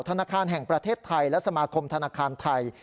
ธนาคารแห่งประเทศไทยและสมาคมธนาคารไทย